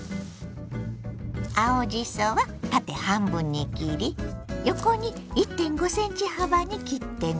青じそは縦半分に切り横に１．５ｃｍ幅に切ってね。